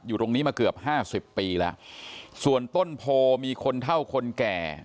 ตรงนี้มาเกือบห้าสิบปีแล้วส่วนต้นโพมีคนเท่าคนแก่